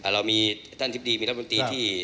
เรามีท่านทิบดีมีรัฐมนตรีที่